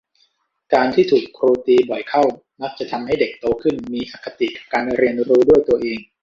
การที่ถูกครูตีบ่อยเข้ามักทำให้เด็กโตขึ้นมีอคติกับการเรียนรู้ด้วยตัวเอง